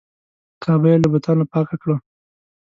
کعبه یې له بتانو پاکه کړه.